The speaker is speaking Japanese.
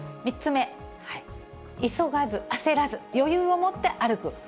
３つ目、急がず焦らず、余裕を持って歩く。